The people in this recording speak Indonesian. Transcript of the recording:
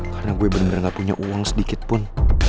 karena gue bener bener gak punya uang sedikit pun